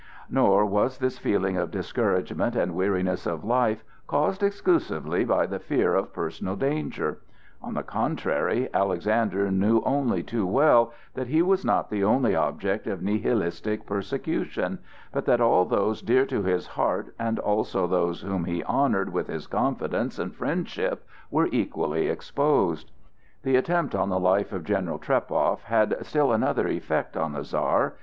Nor was this feeling of discouragement and weariness of life caused exclusively by the fear of personal danger; on the contrary, Alexander knew only too well that he was not the only object of Nihilistic persecution, but that all those dear to his heart and also those whom he honored with his confidence and friendship were equally exposed. The attempt on the life of General Trepow had still another effect on the Czar.